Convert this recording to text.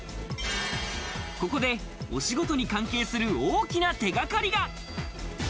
ここで、お仕事に関係する大きな手掛かりが。